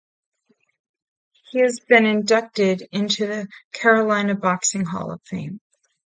He has been inducted into the Carolinas Boxing Hall of Fame.